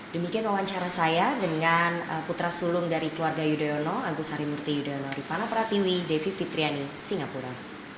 demikian wawancara saya dengan putra sulung dari keluarga yudhoyono agus harimurti yudhoyono rifana pratiwi devi fitriani singapura